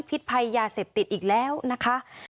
พิษภัยยาเสพติดอีกแล้วนะคะ